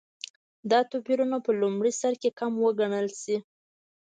دا توپیرونه په لومړي سرکې کم وګڼل شي.